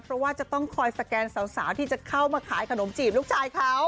เพราะว่าจะต้องคอยสแกนสาวที่จะเข้ามาขายขนมจีบลูกชายเขา